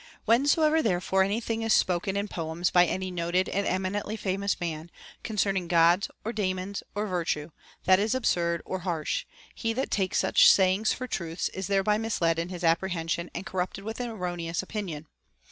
Whensoever therefore any thing is spoken in poems by any noted and eminently famous man, concerning Gods or Daemons or virtue, that is absurd or harsh, he that takes such sayings for truths is thereby misled in his ap prehension and corrupted with an erroneous opinion.